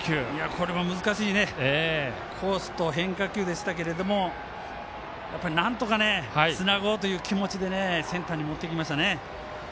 これも難しいコースと変化球でしたけれどもなんとかつなごうという気持ちでセンターに持っていきましたね。